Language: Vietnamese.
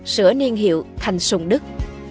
sửa niên hiệu thành sùng đức